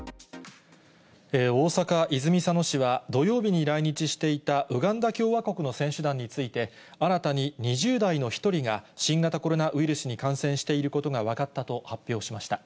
大阪・泉佐野市は、土曜日に来日していたウガンダ共和国の選手団について、新たに２０代の１人が、新型コロナウイルスに感染していることが分かったと発表しました。